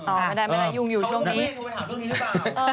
อ๋อไม่ได้ยุ่งอยู่ช่วงนี้